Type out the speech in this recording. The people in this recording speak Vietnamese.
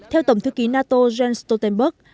theo tổng thư ký nato jens stoltenberg